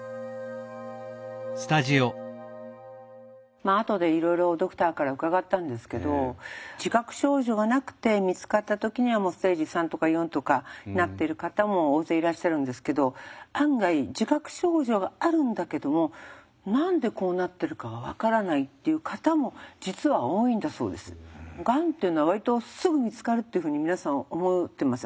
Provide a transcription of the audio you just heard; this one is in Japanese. まああとでいろいろドクターから伺ったんですけど自覚症状がなくて見つかった時にはもうステージ３とか４とかになってる方も大勢いらっしゃるんですけど案外がんというのは割とすぐ見つかるっていうふうに皆さん思ってます。